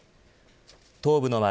東部の街